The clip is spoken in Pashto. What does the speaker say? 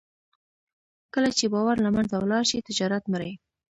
کله چې باور له منځه ولاړ شي، تجارت مري.